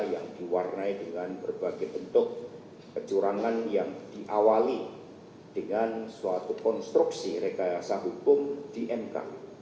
yang diwarnai dengan berbagai bentuk kecurangan yang diawali dengan suatu konstruksi rekayasa hukum di mk